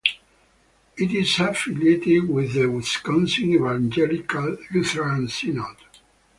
It is affiliated with the Wisconsin Evangelical Lutheran Synod.